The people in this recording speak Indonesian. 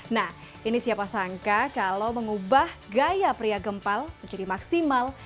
nah ini siapa sangka kalau mengubah gaya pria gempal menjadi maksimal